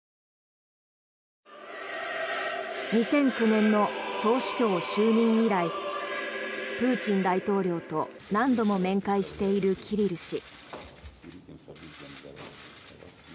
２００９年の総主教就任以来プーチン大統領と何度も面会しているキリル氏。